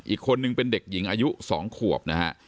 อีกคนนึงเป็นเด็กหญิงอายุ๒ขวบนะฮะ